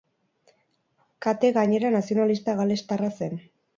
Kate, gainera, nazionalista galestarra zen.